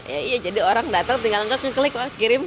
iya jadi orang datang tinggal klik kirim